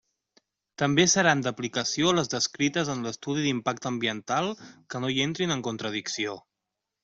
També seran d'aplicació les descrites en l'estudi d'impacte ambiental que no hi entrin en contradicció.